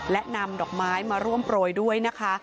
และนำดอกไม้มาร่วมโปรยด้วยนะคะ